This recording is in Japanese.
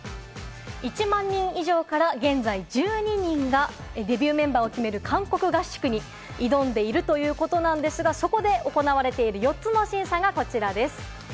１万人以上から現在１２人がデビューメンバーを決める韓国合宿に挑んでいるということなんですが、そこで行われている４つの審査がこちらです。